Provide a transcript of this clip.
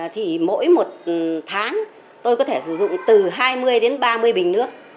thì mỗi một tháng tôi có thể sử dụng từ hai mươi đến ba mươi bình nước